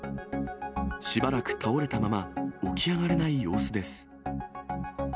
しばらく倒れたまま、起き上がれない様子です。